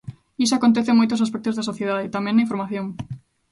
Iso acontece en moitos aspectos da sociedade, tamén na información.